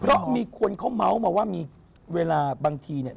เพราะมีคนเขาเมาส์มาว่ามีเวลาบางทีเนี่ย